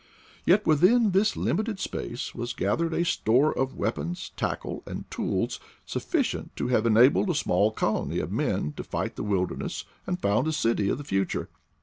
Yet within this limited space was gathered a store of weapons, tackle, and tools, sufficient to have en abled a small colony of men to fight the wilderness and found a city of the future.